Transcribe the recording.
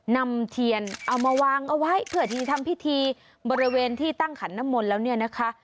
นำเทียนเอามาวางเอาไว้เพื่อที่ทำพิธีบริเวณที่ตั้งขันน้ำมนต์แล้วเนี่ยนะคะ